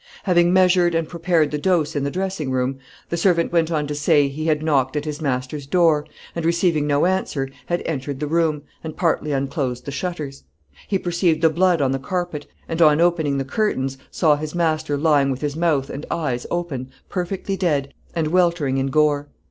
Having measured and prepared the dose in the dressing room, the servant went on to say, he had knocked at his master's door, and receiving no answer, had entered the room, and partly unclosed the shutters. He perceived the blood on the carpet, and on opening the curtains, saw his master lying with his mouth and eyes open, perfectly dead, and weltering in gore.